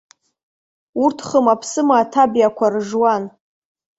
Урҭ хыма-ԥсыма аҭабиақәа ржуан.